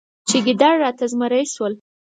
چې ګیدړ راته زمری شول.